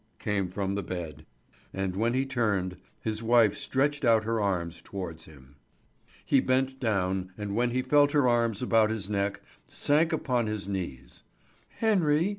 came from the bed. And when he turned, his wife stretched out her arms towards him. He bent down, and when he felt her arms about his neck, sank upon his knees. "Henry!"